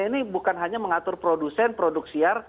ini bukan hanya mengatur produsen produk siar